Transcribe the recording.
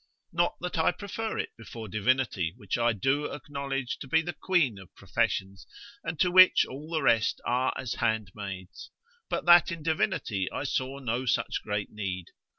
Not that I prefer it before divinity, which I do acknowledge to be the queen of professions, and to which all the rest are as handmaids, but that in divinity I saw no such great need.